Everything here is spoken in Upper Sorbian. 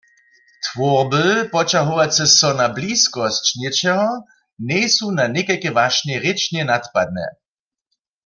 Twórby, poćahowace so na bliskosć něčeho, njejsu na někajke wašnje rěčnje nadpadne.